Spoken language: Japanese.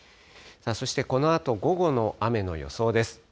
そしてこのあと午後の雨の予想です。